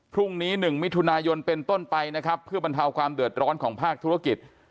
พรุ่งนี้๑มิถุนายนเป็นต้นไปนะครับเพื่อบรรเทาความเดือดร้อนของภาคธุรกิจ